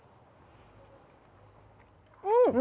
うん！